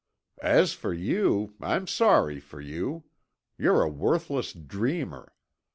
"As for you, I'm sorry for you. You're a worthless dreamer.